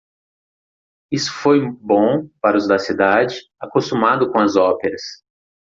Isso foi bom para os da cidade, acostumados com as óperas.